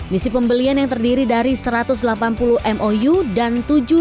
misi pembelian yang terdiri dari satu ratus delapan puluh mou dan tujuh ratus